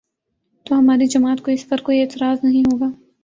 تو ہماری جماعت کو اس پر کوئی اعتراض نہیں ہو گا۔